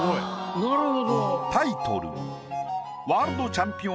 なるほど。